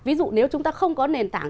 ví dụ nếu chúng ta không có nền tảng